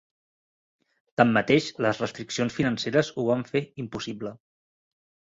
Tanmateix, las restriccions financeres ho van fer impossible.